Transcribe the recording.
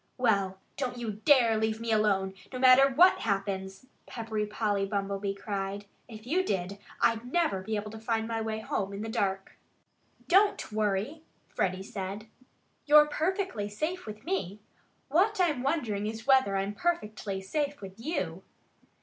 "Well, don't you dare to leave me alone, no matter what happens!" Peppery Polly Bumblebee cried. "If you did, I'd never be able to find my way home in the dark." "Don't worry!" Freddie said. "You're perfectly safe with me. ... What I'm wondering is whether I'm perfectly safe with you."